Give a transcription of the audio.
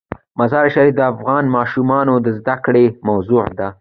مزارشریف د افغان ماشومانو د زده کړې موضوع ده.